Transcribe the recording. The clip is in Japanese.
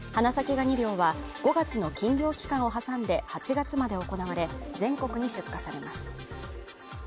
ガニ漁は５月の禁漁期間を挟んで８月まで行われ、全国に出荷されます。